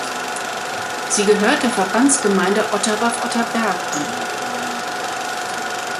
Sie gehört der Verbandsgemeinde Otterbach-Otterberg an.